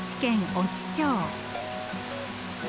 越知町。